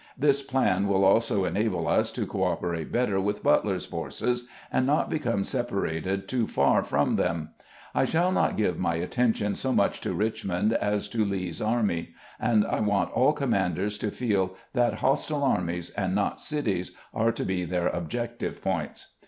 This plan will also enable us to co operate better with Butler's forces, and not become separated too far from them. I shall not give my at tention so much to Richmond as to Lee's army, and I want aU commanders to feel that hostile armies, and not cities, are to be their objective points."